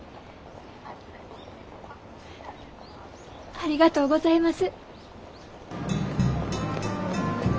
ありがとうございます。